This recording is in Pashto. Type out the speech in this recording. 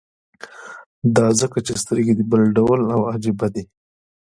دا ځکه چې سترګې دې بل ډول او عجيبه دي.